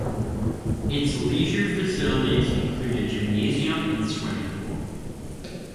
Its leisure facilities include a gymnasium and swimming pool.